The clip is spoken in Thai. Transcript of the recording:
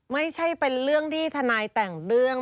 ไม่ใช่เป็นเรื่องที่ทนายแต่งเรื่อง